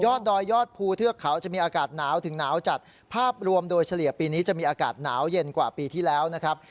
ดอยยอดภูเทือกเขาจะมีอากาศหนาวถึงหนาวจัดภาพรวมโดยเฉลี่ยปีนี้จะมีอากาศหนาวเย็นกว่าปีที่แล้วนะครับ